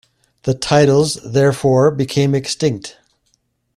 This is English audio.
The titles therefore became extinct.